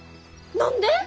何で？